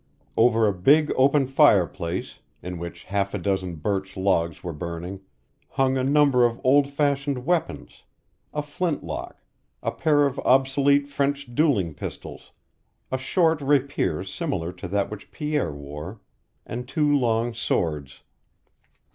Over a big open fireplace, in which half a dozen birch logs were burning, hung a number of old fashioned weapons; a flintlock, a pair of obsolete French dueling pistols, a short rapier similar to that which Pierre wore, and two long swords.